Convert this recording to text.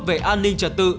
về an ninh trật tự